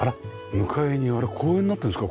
向かいにあれは公園になってるんですか？